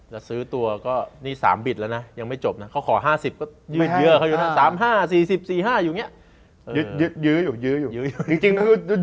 จะซื้อตัวก็นี่๓บิดแล้วนะยังไม่จบนะเขาขอ๕๐ก็ยืดเยอะเขาอยู่นะ๓๕๔๐๔๕อยู่อย่างนี้